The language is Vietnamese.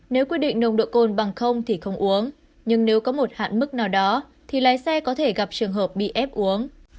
nếu quyết định nồng độ côn bằng thì không uống nhưng nếu có một hạn mức nào đó thì lái xe có thể gặp trường hợp bị ép uống